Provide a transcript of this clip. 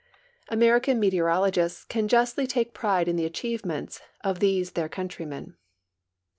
American meteorologists can justly take pride in the achievements of these their countrymen.